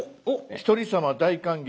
「一人様大歓迎！